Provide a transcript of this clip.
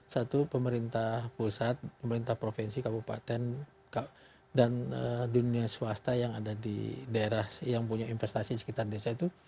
satu pemerintah pusat pemerintah provinsi kabupaten dan dunia swasta yang ada di daerah yang punya investasi di sekitar desa itu